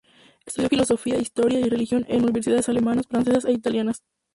Estudió filosofía, historia y religión en universidades alemanas, francesas e italianas.